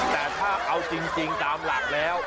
แต่ถ้าเอาจริงตามหลักแล้ว